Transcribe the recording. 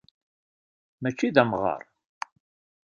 Mačči d amɣaṛ.